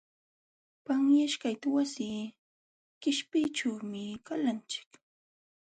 Panyaśhkaqta wasi qishpiyćhuumi qalanchik.